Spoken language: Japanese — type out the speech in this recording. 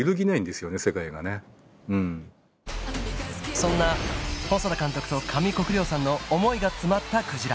そんな細田監督と上国料さんの思いが詰まったクジラ